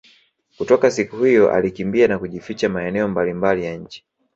Kutoka siku hiyo alikimbia na kujificha maeneo mbali mbali ya nchi